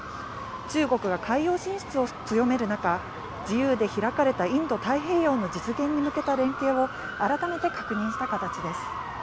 中国が海洋進出を強める中自由で開かれたインド太平洋の実現に向けた連携を改めて確認した形です。